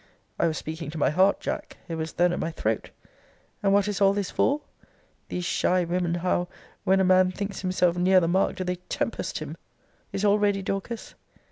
I was speaking to my heart, Jack! It was then at my throat. And what is all this for? These shy women, how, when a man thinks himself near the mark, do they tempest him! Is all ready, Dorcas?